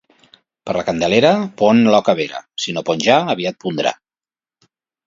Per la Candelera pon l'oca vera; si no pon ja, aviat pondrà.